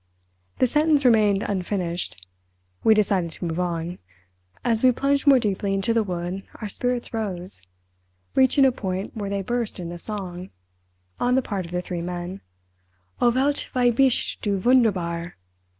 The sentence remained unfinished. We decided to move on. As we plunged more deeply into the wood our spirits rose—reaching a point where they burst into song—on the part of the three men—"O Welt, wie bist du wunderbar!"